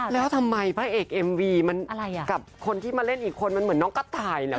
แล้วทำไมพระเอกเอ็มวีมันกับคนที่มาเล่นอีกคนมันเหมือนน้องกระต่ายเหรอ